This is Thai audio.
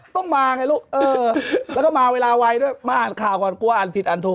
ต้องมาไงลูกเออแล้วก็มาเวลาไวด้วยมาอ่านข่าวก่อนกลัวอ่านผิดอ่านถูก